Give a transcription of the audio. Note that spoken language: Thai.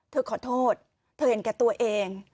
เธอขอโทษเธอเห็นแก่ตัวเอง